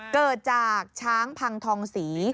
เกิดจากช้างพังทองศรี